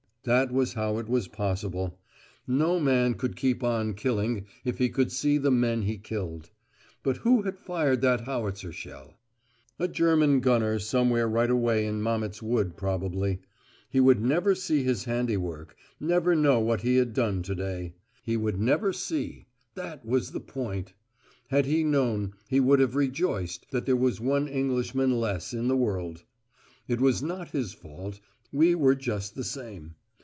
That was how it was possible. No man could keep on killing, if he could see the men he killed. Who had fired that howitzer shell? A German gunner somewhere right away in Mametz Wood probably. He would never see his handiwork, never know what he had done to day. He would never see; that was the point. Had he known, he would have rejoiced that there was one Englishman less in the world. It was not his fault. We were just the same.